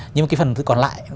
nhưng cái phần còn lại